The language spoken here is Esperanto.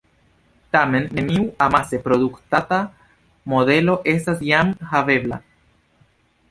Tamen neniu amase produktata modelo estas jam havebla.